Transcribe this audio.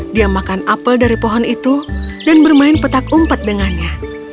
dia makan apel dari pohon itu dan bermain petak umpet dengannya